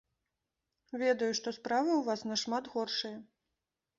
Ведаю, што справы ў вас нашмат горшыя.